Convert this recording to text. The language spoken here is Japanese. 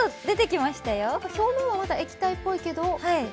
表面はまだ液体っぽいけど。